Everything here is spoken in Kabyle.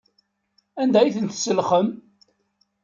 Anda ay ten-tselxem?